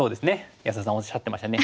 安田さんおっしゃってましたね。